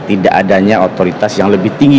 tidak adanya otoritas yang lebih tinggi